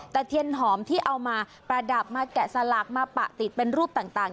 แต่เทียนหอมที่เอามาประดับมาแกะสลักมาปะติดเป็นรูปต่าง